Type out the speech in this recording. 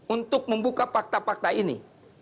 untuk membuka fakta fakta ini